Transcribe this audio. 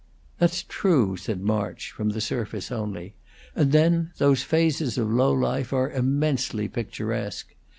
"That's true," said March, from the surface only. "And then, those phases of low life are immensely picturesque.